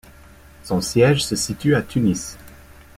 Son siège se situe à Tunis.